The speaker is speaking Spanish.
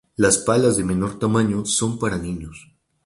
Las palas de menor tamaño son para niños.